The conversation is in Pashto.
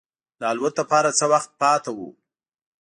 د الوت لپاره څه وخت پاتې و.